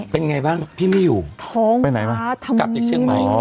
เป็นไงบ้างพี่ไม่อยู่ท้องไปไหนบ้างคะกลับจากเชียงใหม่